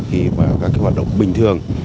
khi các hoạt động bình thường